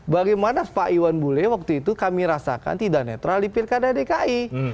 bagaimana pak iwan bule waktu itu kami rasakan tidak netral di pilkada dki